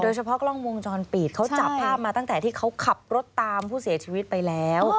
เฉพาะกล้องวงจรปิดเขาจับภาพมาตั้งแต่ที่เขาขับรถตามผู้เสียชีวิตไปแล้ว